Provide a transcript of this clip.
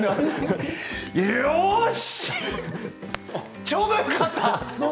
よし、ちょうどよかった！